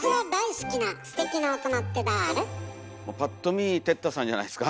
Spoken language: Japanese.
パッと見哲太さんじゃないですか？